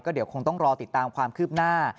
เดี๋ยวคงต้องรอติดตามความคืบหน้า